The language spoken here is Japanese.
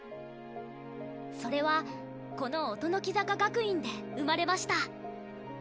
それはこの音ノ木坂学院で生まれました。